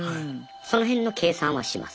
その辺の計算はします。